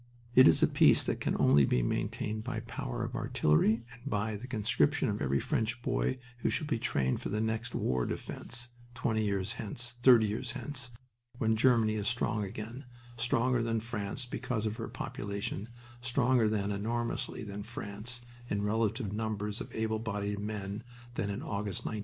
It is a peace that can only be maintained by the power of artillery and by the conscription of every French boy who shall be trained for the next "war of defense" (twenty years hence, thirty years hence), when Germany is strong again stronger than France because of her population, stronger then, enormously, than France, in relative numbers of able bodied men than in August, 1914.